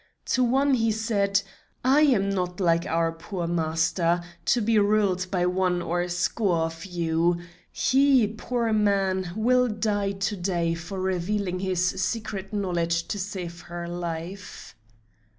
To one he said: "I am not like our poor master, to be ruled by one or a score of you. He, poor man, will die to day for revealing his secret knowledge to save her life."